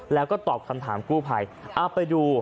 และก็ตอบคำถามกู้ไพร